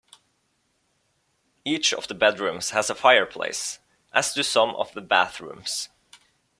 Each of the bedrooms has a fireplace, as do some of the bathrooms.